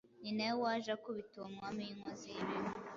ni nawe waje akubita uwo mwami w’inkozi y’ibibi,